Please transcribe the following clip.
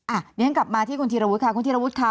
เรียนกลับมาที่คุณธีรวุฒิค่ะคุณธีรวุฒิค่ะ